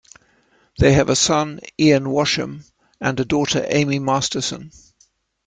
They have a son, Ian Washam, and a daughter, Amy Masterson.